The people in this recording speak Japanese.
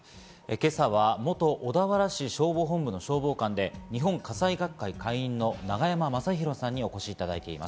今朝は元小田原市消防本部の消防官で日本火災学会会員の永山政広さんにお越しいただいています。